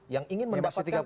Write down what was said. yang ingin mendapatkan